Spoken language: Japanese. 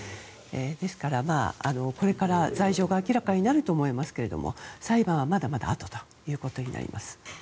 ですから、これから罪状が明らかになると思いますが裁判はまだまだあとということになります。